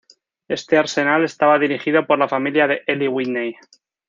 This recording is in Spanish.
Este arsenal estaba dirigido por la familia de Eli Whitney.